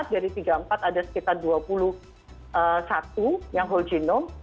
dari tiga puluh empat ada sekitar dua puluh satu yang whole genome